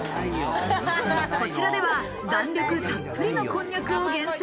こちらでは弾力たっぷりのこんにゃくを厳選。